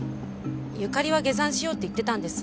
ゆかりは下山しようって言ってたんです。